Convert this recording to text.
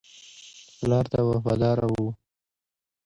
پلار ته وفادار وو.